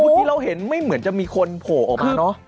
ที่เราเห็นไม่เหมือนจะมีคนโผล่ออกมาเนอะ